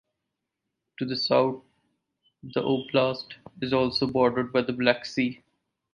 To the south the oblast is also bordered by the Black Sea.